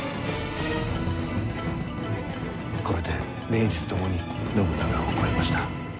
これで名実ともに信長を超えました。